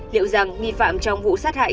liệu rằng nghi phạm trong vụ sát hại